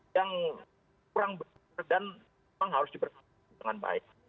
yang kurang berkesan dan memang harus diberkati dengan baik